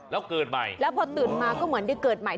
แล้วเกิดใหม่แล้วพอตื่นมาก็เหมือนได้เกิดใหม่